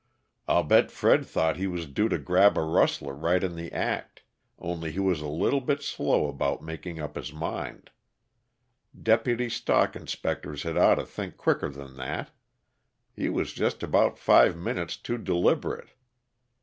"I'll bet Fred thought he was due to grab a rustler right in the act only he was a little bit slow about making up his mind; deputy stock inspectors had oughta think quicker than that he was just about five minutes too deliberate.